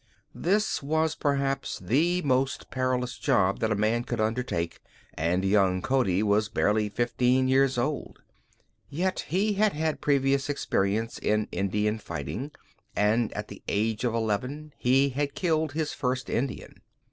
This was perhaps the most perilous job that a man could undertake, and young Cody was barely fifteen years old. Yet he had had previous experience in Indian fighting and at the age of eleven he had killed his first Indian.